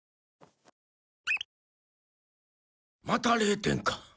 また０点か。